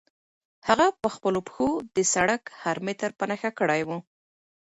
هغه په خپلو پښو د سړک هر متر په نښه کړی و.